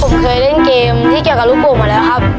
ผมเคยเล่นแบบเกี่ยวกับลูกปองมาแล้วครับ